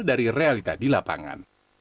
dari realita di lapangan